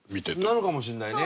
なのかもしれないね。